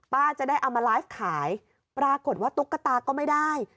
จะได้เอามาไลฟ์ขายปรากฏว่าตุ๊กตาก็ไม่ได้